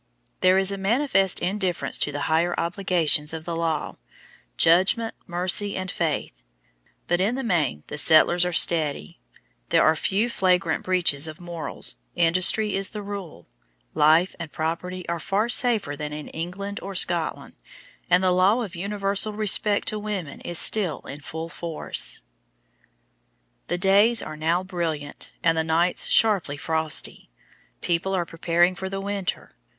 There is a manifest indifference to the higher obligations of the law, "judgment, mercy and faith"; but in the main the settlers are steady, there are few flagrant breaches of morals, industry is the rule, life and property are far safer than in England or Scotland, and the law of universal respect to women is still in full force. The days are now brilliant and the nights sharply frosty. People are preparing for the winter.